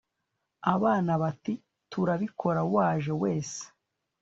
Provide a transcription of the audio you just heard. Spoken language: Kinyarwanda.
abana bati turabibona, waje wese